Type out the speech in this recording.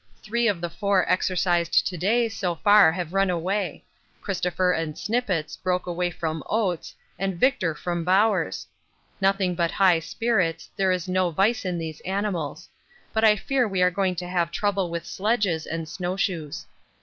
Three of the four exercised to day so far have run away Christopher and Snippets broke away from Oates and Victor from Bowers. Nothing but high spirits, there is no vice in these animals; but I fear we are going to have trouble with sledges and snow shoes.